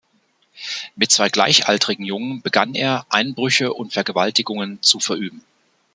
Mit zwei gleichaltrigen Jungen begann er, Einbrüche und Vergewaltigungen zu verüben.